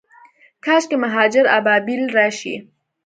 کاشکي مهاجر ابابیل راشي